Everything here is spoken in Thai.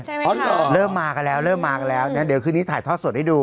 เพราะเริ่มมากันแล้วเริ่มมากันแล้วนะเดี๋ยวคืนนี้ถ่ายทอดสดให้ดู